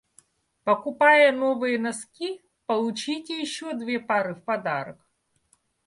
Покупая новые носки, получите ещё две пары в подарок!